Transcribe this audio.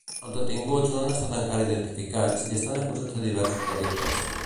Els detinguts no han estat encara identificats i estan acusats de diversos delictes.